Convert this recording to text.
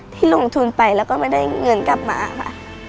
ที่ลงทุนไปแล้วก็ไม่ได้เงินกลับมาค่ะ